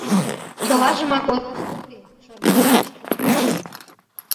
— Чылажымак ойлаш ок лий, — шыргыжалеш кува.